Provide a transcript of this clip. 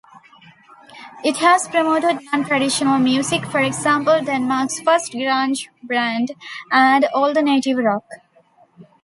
It has promoted non-traditional music, for example "Denmark's first grunge band" and alternative rock.